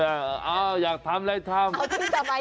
เอาที่สบายใจดีนะ